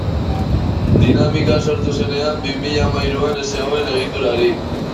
Dinamika sortu zenean, bi mila hamahiruan, ez zegoen egiturarik.